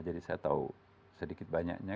jadi saya tahu sedikit banyaknya